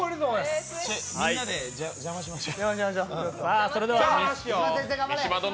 みんなで邪魔しましょう。